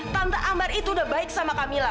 tante ambar itu udah baik sama kak mila